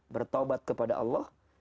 bertobat kepada allah